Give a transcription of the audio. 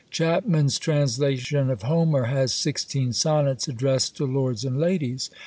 Chapman's Translation of Homer has sixteen sonnets addressed to lords and ladies.